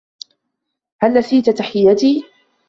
هل نسيت تحيّتي؟